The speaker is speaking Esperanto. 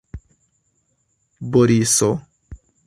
Boriso!